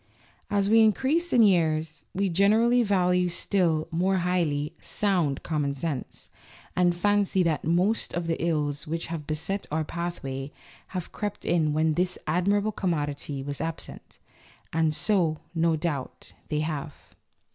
As we increase in years, we generally value still more highly "sound common sense," and fancy that most of the ills which have beset our pathway have crept in when this admirable commodity was absent. (And so, no doubt, they have.)